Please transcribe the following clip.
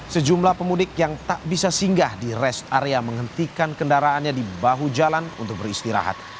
sejumlah pemudik yang tak bisa singgah di rest area menghentikan kendaraannya di bahu jalan untuk beristirahat